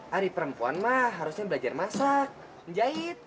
hari perempuan mah harusnya belajar masak menjahit